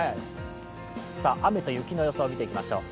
雨と雪の予想を見ていきましょう。